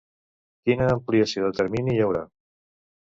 Quina ampliació de termini hi haurà?